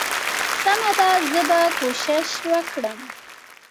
سمه ده زه به کوشش وکړم.